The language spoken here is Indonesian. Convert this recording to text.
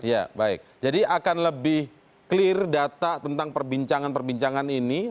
ya baik jadi akan lebih clear data tentang perbincangan perbincangan ini